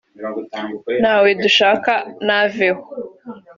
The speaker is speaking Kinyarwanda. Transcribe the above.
ntawe dushaka naveho’